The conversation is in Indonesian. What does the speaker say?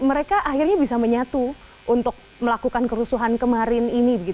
mereka akhirnya bisa menyatu untuk melakukan kerusuhan kemarin ini